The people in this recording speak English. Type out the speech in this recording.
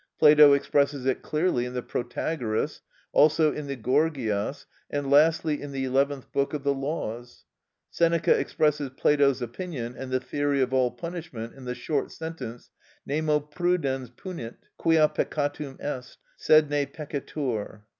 Plato expresses it clearly in the "Protagoras" (p. 114, edit. Bip.), also in the "Gorgias" (p. 168), and lastly in the eleventh book of the "Laws" (p. 165). Seneca expresses Plato's opinion and the theory of all punishment in the short sentence, "Nemo prudens punit, quia peccatum est; sed ne peccetur" (De Ira, i.